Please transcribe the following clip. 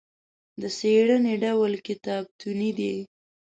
د څېړنې ډول کتابتوني دی.